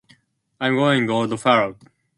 I’m going, old fellow.